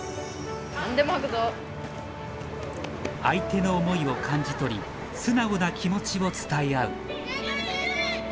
相手の思いを感じ取り素直な気持ちを伝え合うゴー！